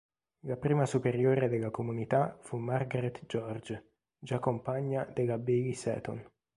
La prima superiora della comunità fu Margaret George, già compagna della Bayley Seton.